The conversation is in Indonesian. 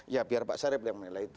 ya biar pak sarip yang menilai itu